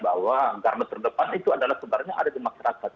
bahwa garda terdepan itu adalah sebenarnya ada di masyarakat